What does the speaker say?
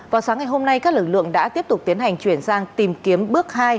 vào sáng ngày hôm nay các lực lượng đã tiếp tục tiến hành chuyển sang tìm kiếm bước hai